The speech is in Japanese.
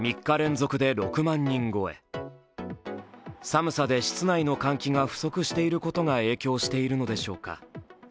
寒さで室内の換気が不足していることが影響しているのでしょうか。